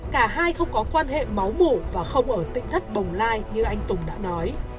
cả hai không có quan hệ máu mủ và không ở tỉnh thất bồng lai như anh tùng đã nói